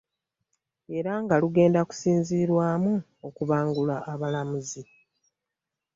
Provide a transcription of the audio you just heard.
Era nga lugenda kusinziirwamu okubangula abalamuzi